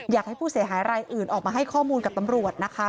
อยากให้ผู้เสียหายรายอื่นออกมาให้ข้อมูลกับตำรวจนะคะ